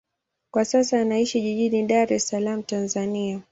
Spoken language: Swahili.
Kwa sasa anaishi jijini Dar es Salaam, Tanzania.